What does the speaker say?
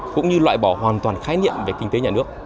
cũng như loại bỏ hoàn toàn khái niệm về kinh tế nhà nước